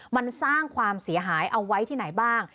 มันสร้างความเสียหายเอาไว้ที่ไหนบ้าง